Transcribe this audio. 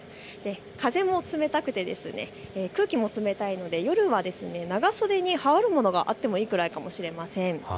風も冷たくて空気も冷たいので夜は長袖に羽織るものがあってもいいぐらいかもしれません。